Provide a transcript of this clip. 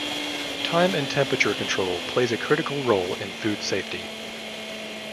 Time and temperature control plays a critical role in food safety.